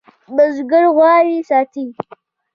بزگر غواوې ساتي.